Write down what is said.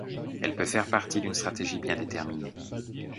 Elle peut faire partie d'une stratégie bien déterminée.